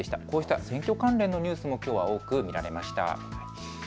こうした選挙関連のニュースもきょうは多く見られました。